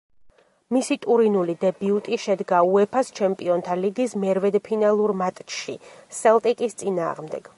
მისი ტურინული დებიუტი შედგა უეფას ჩემპიონთა ლიგის მერვედფინალურ მატჩში სელტიკის წინააღმდეგ.